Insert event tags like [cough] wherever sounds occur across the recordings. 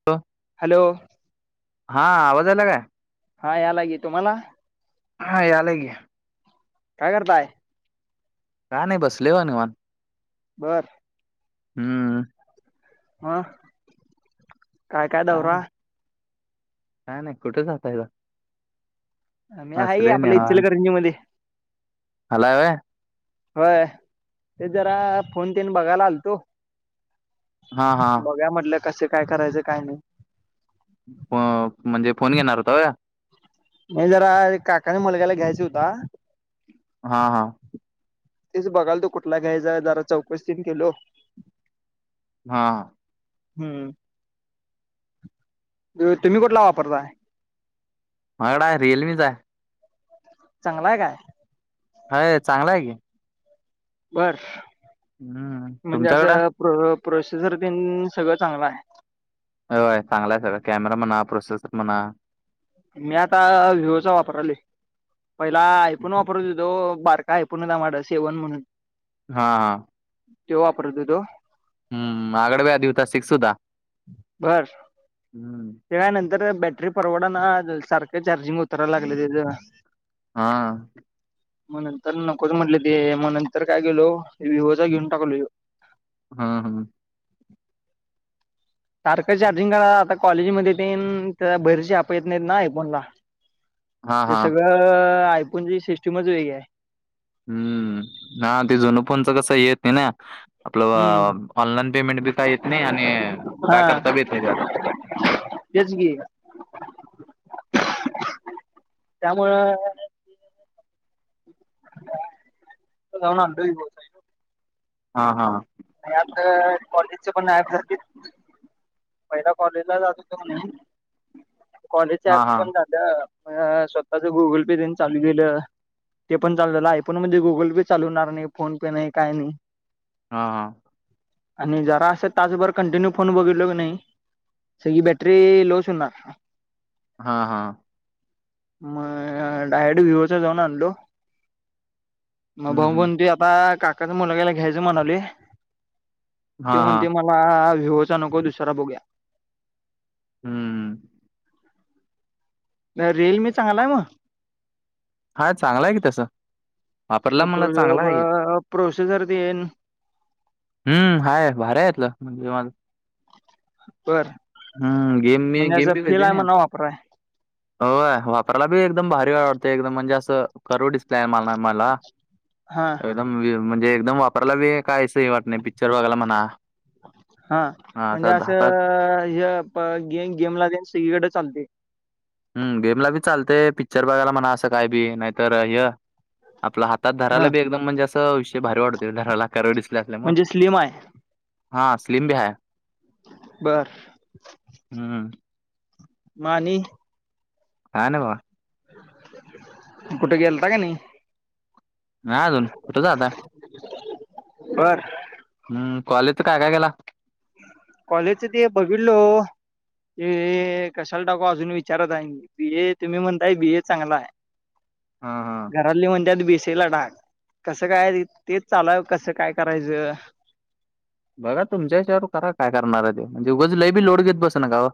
[inaudible] Hello? हा, आवाज आला काय? हा, यालाय की, तुम्हाला? हा, यालाय की. काय करताय? का नाही, बसलोय बघ निवांत. बरं. हम्म. म काय, काय दौरा? काय नाही, कुठे जातायसा? मी आहे की, बसलोय आपल्या निवांत इचलकरंजी मध्ये. आलाय व्हय? होय, तेच जरा फोन तेन बघायला आलतो. हा, हा. बघुया म्हटलं, कस काय करायचं, काय नाही. फ म्हणजे फोन घेणार होता व्हय? नाही जरा, काकाच्या मुलग्याला घ्यायचा होता हा, हा. तेच बघलातो, कुठला घ्यायचा जरा चौकशी तेन केलो. हा. हं, तुम्ही कुठला वापरताय? माझ्याकडे आहे, रिअलमीचा हाय. चांगला हाय काय? व्हय, चांगला आहे की. बर, हम्म म्हणजे तुमच्याकडं असं प्रो प्रोसेसर तेन सगळं चांगलं हाय. होय, चांगला आहे सगळ, कॅमेरा म्हणा, प्रोसेसर म्हणा. मी आता विवो चा वापरलोय. पहिला आयफोन वापरत होतो, बारका आयफोन होता, माझ्याकडं सेवन म्हणून. हा हा. त्यो वापरत होतो. हम हम माझ्याकडं बी आधी होता. सिक्स होता. बर. हम्म. त्यानंतरण बॅटरी परवडा ना सारखं चार्जिंग उतरायला लागलं तेझ. हा. मग नंतर नकोच म्हटलं ते, मग नंतर काय केलो. विवोचा घेऊन टाकलो ह्यो. हा हम. सारखं चार्जिंग करा. आता कॉलेजमध्ये तेन त्या बाहेरची अँप येत नाहीत ना आय फोनला. हा ते हा सगळं आयफोन ची सिस्टिमच वेगळी आहे. हम्म हा. ते जुन फोनचं कसं येत नाही ना. हम्म आपलं ऑनलाईन पेमेंट बी काय येत नाही. आणि काय करता हा बी येत नाही त्यात. तेच की, त्यामुळं व जावून आणलो हित. हा हा. ह्यातल कॉलेजचे पण नाही अँप भरतील. पहिला कॉलेजला जात होतो कणी कॉलेजच्या हा ऍपस हा पण जात व स्वतःच गुगल पे तेन चालू केलं. ते पण चालु झालं. आय फोन मध्ये गुगल पे चालू होणार नाही. फोन पे नाही काही नाही. हा हा. आणि जरासं तास भर कंटिन्यू फोन बघितलो की नाही सगळी बॅटरी लोअच होणार. हा हा. मग डायरेक्ट विवोचा जाऊन आणलो. मग हम्म भाऊ हम्म म्हणतोय आता काकाच्या मुलग्याला घ्यायच म्हणालोय. हा तो हा म्हणतोय मला विवोचा नको दुसरा बघूया. हम्म. रिअल मी चांगला आहे मग? हा चांगला आहे की तस. वापरला मला चांगला आहे की. प्रो प्रोसेसर तेन. हम्म. हाय भारी ह्यातलं. म्हणजे निवांत. तर. हम् गेम मी गेम बी खेळतोय नाही. पुढ हाय. होय वापरायला बी एकदम भारी आवडते. एकदम म्हणजे असं कर्व डिस्प्लेय आहे मला. हा. एकदम म्हणजे एकदम वापरायला बी काय असं हे होत नाही. पिक्चर बघायला म्हणा. हा हा म्हणजे असं हातात हा गे गेमला तेन सगळीकडे चालते. हम् गेमला बी चालतेय. पिक्चर बघायला म्हणा. असं काय बी. नाहीतर ह आपला हात तात धरायला हां बी एकदम म्हणजे असं आ विषय भारी वाटतोय. धरायला कर्व डिस्प्ले असल्यामुळं. म्हणजे स्लिम आहे हा स्लीम बी हाय. बर. हम. मग आणि. काय नाही व [inaudible] कुठे गेलता का नाही? नाही अजून कुठं जाता? [inaudible] बर. हम् कॉलेज च काय काय केेला? कॉलेजच ते बघितलो. ते कशाला टाकू अजून विचारात आहे मी? बी ए तुम्ही म्हणताय बी ए चांगला आहे. [inaudible] हा, हा घरातली म्हणतातत बी सी ए ला टाक कसं काय तेच चाल कसं काय करायचं? बघा तुमच्यावर करा काय करणार ते? म्हणजे उगज लई बी लोड घेत बसू नका व.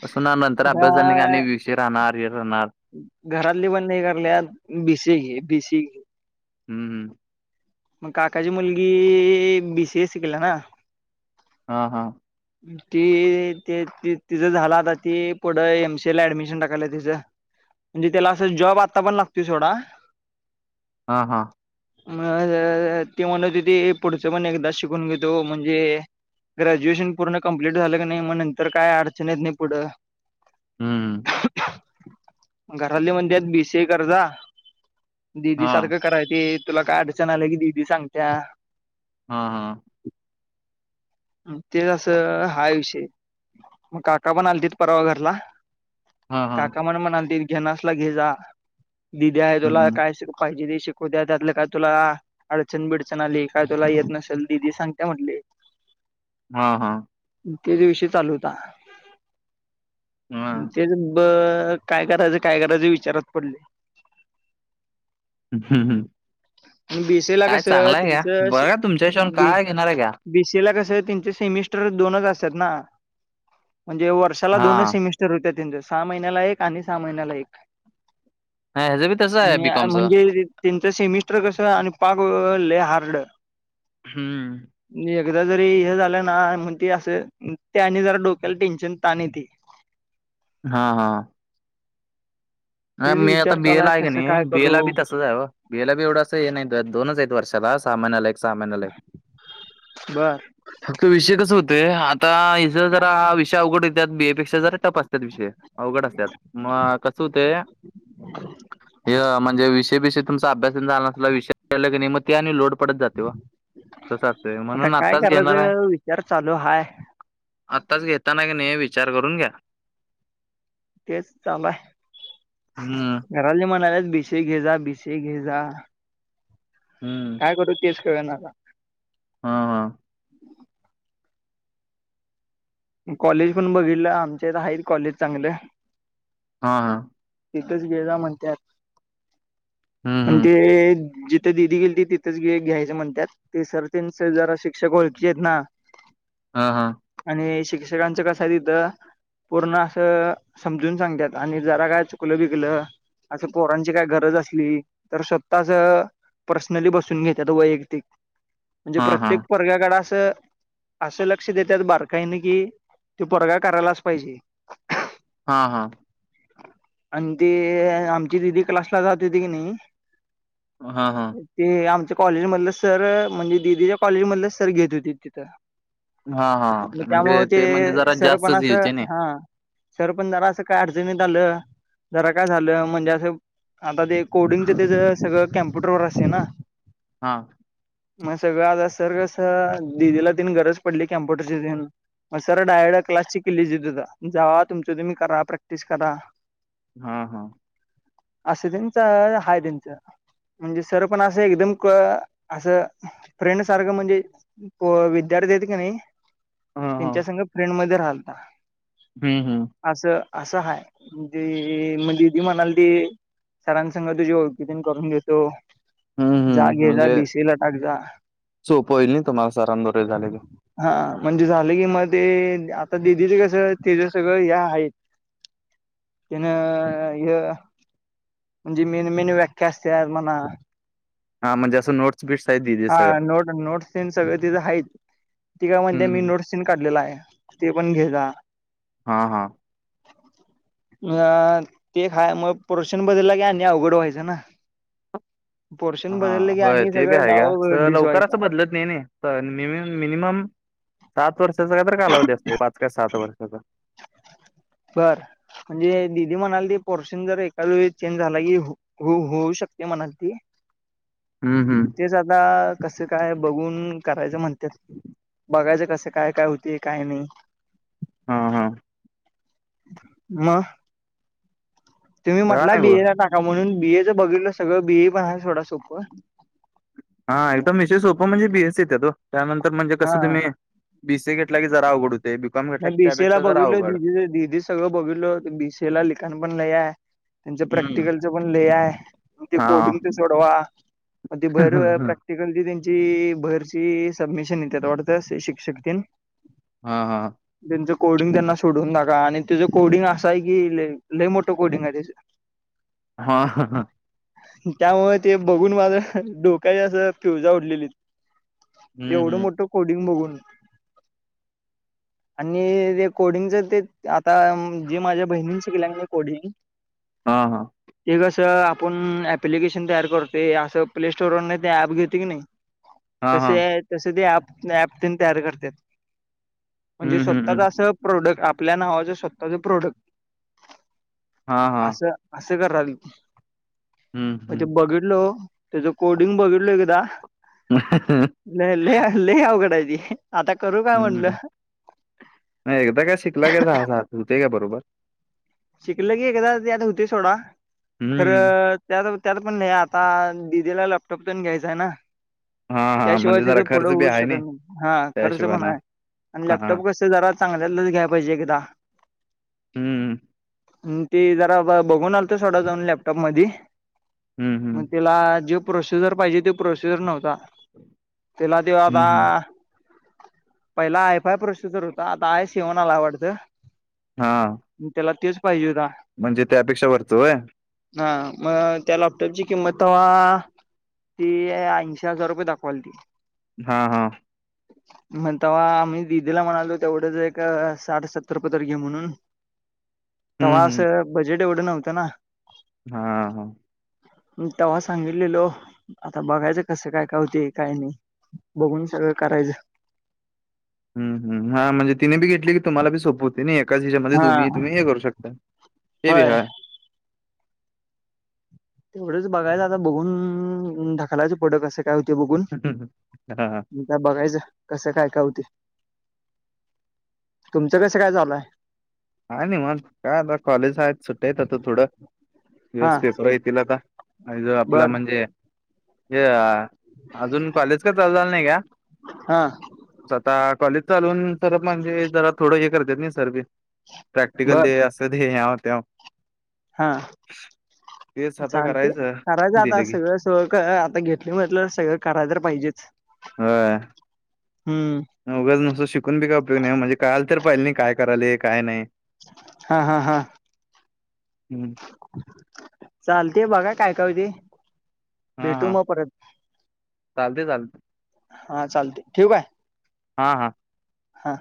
कस ना नंतर अभ्यास झाला नाही का? आणि विषय राहणार हे राहणार. घरात ले पण नाही करले बी सी ए घे बी सी ए घे. हम्, हम् मग काकाची मुलगी बी सी ए शिकला ना? हा, हा ती ते तिचं झाला आता. ती पुढं एम सी ला ऍडमिशन टाकायलं तिचं म्हणजे त्याला असं जॉब आता पण लागतो सोडा. हा, हा म ती म्हणत होती ती पुढचं पण एकदा शिकून घेतो म्हणजे? ग्रॅज्युएशन पूर्ण कंप्लीट झालं की नाही? मग नंतर काय अडचण येत नाही पुढं. हम्म. घरातले म्हणत्यात बी सी ए कर्जा दिदी हां. सारखं कराय ते तुला काय अडचण आलं की दिदी सांगत्या? हा, हा तेचं असं हा विषय मग काका पण आले ते परवा घरला? हां हां. काका म्हण म्हणाल ते घेनासला घे जा दिदी आहे. तुला हम्म. काय पाहिजे ते शिक उद्या त्यातलं काय तुला अडचण बिडचण आली काय तुला येत नसेल ददी सांगते म्हटले. हा, हा त्योच विषय चालू होता. हां. तेच ब काय करायचं काय करायचे विचारात पडले. हम्, हम् आणि बीसीए ला काय कसं चांगलंय घ्या त्यांचं बघा काय तुमच्या हिशोबान काय घेणार आहे घ्या? बी सी ए ला कसं त्यांचे सेमिस्टर दोनच असतात ना? म्हणजे वर्षाला दोनच हां. सेमिस्टर वर्षातून सहा महिन्याला एक आणि सहा महिन्याला एक. नाही ह्याचं बी तसंच [inaudible] आहे मी बी आणि कॉमचं. म्हणजे? त्यांचं सेमिस्टर कसं आणि पाग लय हार्ड. हम्म. एकदा जरी हे झालं ना? म्हग त असं त्याने जरा डोक्याला टेन्शन तान येते. हा, हा. अ तेच मी आता विचार बी ए ला चालाय आहे का कसं नाही काय बी ए करू ला बी तसच आहे व. बी ए ला बी एवढं अस हे नाहीत दोनच आहेत. वर्षाला सहा महिन्याला एक सहा महिन्याला एक. बर इथं विषय कस होतय. आता इथं जरा हा विषय अवघड येतात बी ए पेक्षा जरा टफ असत्यात विषय. अवघड असत्यात मग आता कसं हो ते [inaudible] हां म्हणजे विषय बिषय तुमचा अभ्यास न झाला असला विषय की नाही मग ते आणि लोड पडत जाते व. तसं असतय आता म्हणून काय आत्ताच घेणार आहे. करायचं विचार चालू हाय आत्ताच घेताना कणी, नाही विचार करून घ्या. तेच चालू आहे. हम. घरातले म्हणाल्यात बि. से घेजा बि. से घेजा. हम्म काय करू तेच कळना आता. हा, हा. कॉलेज पण बघितलं, आमच्या हित आहेत कॉलेज चांगल. हा, हा. हिथच घेजा म्हणत्यात, हम्म हम्म आणते जी तिथ दिदी गेली तिथंच घ्यायच म्हणतात, ते सर त्यां जरा शिक्षक ओळखी आहेत ना. [unintelligible] हा, हा. आणि शिक्षकांचं कसं आहे तिथं. पूर्ण असं, समजून सांगतात. आणि जरा काय, चुकलं बिकलं असं पोरांची काय, गरज असली. तर स्वतःच पर्सनली बसून घेतात. वैयक्तिक म्हणजे हा प्रत्येक पोरग्याकड असं, असं लक्ष देतात. बारकाईन की, त्यो पोरगा, करायलाच पाहिजे. हा, हा हः.. आणि ती, आमची दिदी क्लासला जात होती की नई. हा, हा.. ते आमच्या कॉलेजमधलं सर, म्हणजे दिदीच्या कॉलेजमधलं सर गेली होतीत तिथं. हा, हा मग त्यामुळे म्हणजे ते म्हणजे जरा सरपण जास्तच असं, येते ना हः सरपण जरा असं काय अडचणीत आलं जरा काय झालं. म्हणजे, असं आता ते कोडिंगच तेज सगळं कॅम्प्युटरवर असतय ना. हा. म सगळं आता सर कसं अ, दिदीला तेन गरज पडली, कॅम्प्युटरची तेन मग सर डायरेक्ट क्लासची किल्ली देत होत, जावा तुमचं तुम्ही करा प्रॅक्टिस करा. हा, हा. असे त्यांचं, हाय त्यांचं म्हणजे सर पण असं, एकदम कं असं, फ्रेंड सारखं म्हणजे पो विद्यार्थी आहेत कानी हा हा. त्यांच्या संग, फ्रेंड मध्ये राहलता हम्म, हममः असं-असं हाय, ते दीदी म्हनालती सरासंग तुझे ओळकी तेन करून घेतो. हम्म जा हम्म घेल्या म्हणजे बेसीला, टाक जा. सोपं होईल नाही तुम्हाला सरांबरोबर झाले की. हा म्हणजे झाले की, मग ते आता दिदीच कसं, तेच्या सगळं या हाय. त्यान हेअ म्हणजे मेन-मेन व्याख्या असत्यात म्हणा हां म्हज असं नोट हा नोट-नोटस तेन सगळ तिज हायत. ती का म्हणते हम्म मी हम्म. नोट्स तेन काढलेला आहे, ते पण, घे जा हा, हा. [unintelligible] [inaudible] अ.. ते खाय मग प्रोरशन बदलला की, आणि अवघड व्हायचं ना? पोर्शन हा बदलकीं, होय आणि ते का? सगळं आहे घ्या डाव सगळं डिस व्हायचा लवकरचपं लत नइ नी मिनिमम सात वर्षाचा काय तर कालावधी असतो. पाच का? सात वर्षाचा? बर म्हणजे, दिदी म्हणाल ती पोर्शन जर एका वेळीस चेंज झाला की हो हो होऊ शकते मनालती. हम्म हम्म तेच आता कसं काय? बघून करायचं म्हण? बघायचं कस काय काय होते? काय नाही? हा हा मअ.. तुम्ही का म्हटला नाही बघ बीएला टाका म्हणून बीएचं बघितलं. सगळं बीई पण आहे सोडा सगळं सोपं. हा एकदम विषय सोप म्हणजे बीएसी येत्यात ओ. त्यानंतर म्हणजे हा कसं तुम्ही, बीसीए घेतला की, जरा अवघड होते बीकॉम घेतला नाही की, बीसीए ला त्यापेक्षा जरा बघितलं अवघड. दिदी दिदी सगळं बघितल बी सी ए ला लिखाण पण लय हाय. त्यांच हम्म प्रॅक्टिकलच पण लय हाय. ते हा कोडिंग सोडवा म ते हा भैर प्रॅ तिकल त्यांची भरची सबमिशन येत्यातवाडत सगळी शिक्षक तेन हा हा त्यांचं कोडिंग त्यांना सोडून टाका आणि त्याचं कोडिंग असं आहे की लई मोठं कोडिंग आहे. त्या [inaudible] हा ह ह त्यामुळे ते बघून माझा डोका्या अस प्यवजा उडलेली. हम्म एवढं हम्म मोठं कोडिंग बघून. आणि ते कोडिंगच ते आता जे माझ्या बहिणीन शिकल्यान कोडिंग- [inaudible] हा- हा. ते कसं आपण ऍप्लिकेशन तयार करते, असं प्ले स्टोरवरर नाही ते ऍप घेते की नाही, हा हा तसे तसे तेप ऍप तयार करत्यात. म्हणजे हम्म हम्म स्वतःच हम्म असं प्रोडक्ट आपल्या नावाचं स्वतःच प्रोडक्ट हा हा असं असं करावी हम्म म ते हम्म बघितलो. त्याचं कोडिंग बघितलय एकदा. ह ल अल् अवघड आहेे ते. आता करू- काय हम्म म्हणलं हम नाही एकदा काय शिकला का झा झा होते का बरोबर. शिकलं की एकदा ते आता होते सोडा हम्म खरं- त्यात त्यात पण नाही आता दिदीला लॅपटॉप तेन घ्यायचा आहे ना. हा हा त्याशिवाय म्हणजे जरा तिचं खर्च पुढं बी होऊ आहे ना शकत नाही हा त्या खर्च हिशोबान पण हा आहे. आणि हा लॅपटॉप कसं जरा चांगल्यालाच घ्या पाहिजे एकदा. हम्म हम ते जरा बघून अलतो सोडा जाऊन लॅपटॉप म मधी हम्म हम्म त्याला जे. प्रोसिजर पाहिजे ते प्रोसिजर नव्हता त्याला तेव्हा हम्म आता. हम्म पहिला आहेफय प्रोसिजर होता आता आय शेवण आलाय वाटत. हा त्याला तेच पाहिजे होता. म्हणजे त्या पेक्षा वरचं होय. हा मग त्या लॅपटॉपची किंमत तवा. ती ऐंशी हजार रुपये दाखवालाती. हा हा. ह [inaudible] मग तेव्हा आम्ही दिदीला म्हणालो तेवढंच एक साठ सत्तर पतर घे म्हणून हम्म तेव्हा हम्म असं बजेट एवढं नव्हतं ना. हा हा म तेव्हा सांगितलेलो आता बघायचं कसं काय काय होते, काय नाही. बघून सगळं करायचं. हम् हम हा म्हणजे तिने बी घेतली की तुम्हाला बी सोप होते नाही एकाच हिच्यामध्ये हा दोन्ही तुम्ही हे करू शकता. ते भ होय ह [inaudible] तेवढंच बघायचं आता बघून ढकलायचं पुढं कं- काय होते बघून. हा बघायचं कसं काय काय होतंय तुमचं कसं काय झालंय. हाय निवांत काय आता कॉलेज आहेत सुट्ट्या आहेत. आता थोडं हा दिवस पेपर आहीत. येतिला तर ज आपला बर म्हणजे हे- अजून कॉलेज का चालू झालं नाही का? हा स्वतः कॉलेज चालवून तर म्हणजे जरा थोडं हे करत्यात नाही सर, प्रॅक्टिकल दे बर असं दे हाव त्याव. हा तेच आता चालते करायचं आता दिलं की सगळं, सं का आता घेतली म्हटलं सगळं करायला तर पाहिजेच. हं हम्म नाय उगा नुस्तं शिकून बी काय उपयोग नाही म्हणजे काळलं तर पाहिले काय कराय काय नाही. हा हा हा हम्म चालतेय बघा काय काय होते. हा भेटू हा मग परत चालते चालते. हा चालते ठेवू का? हा हा हां